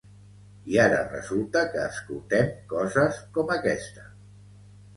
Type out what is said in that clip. I ara resulta que escoltem coses com aquesta.